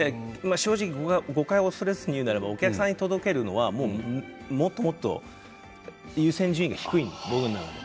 正直、誤解を恐れずに言うならばお客さんに届けるのはもっともっと優先順位が低いものになるわけ。